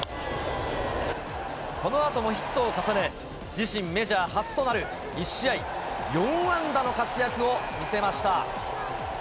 このあともヒットを重ね、自身メジャー初となる１試合４安打の活躍を見せました。